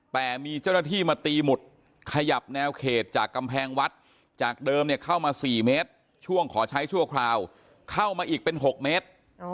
แต่มีเจ้าหน้าที่มาตีหมุดขยับแนวเขตจากกำแพงวัดจากเดิมเนี่ยเข้ามา๔เมตรช่วงขอใช้ชั่วคราวเข้ามาอีกเป็น๖เมตร